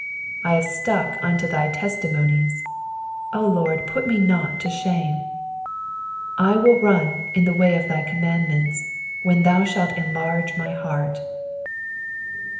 31 I have stuck unto thy testimonies : O Lord, put me not to shame. 32 I will run the way of thy commandments, when thou shalt enlarge my heart.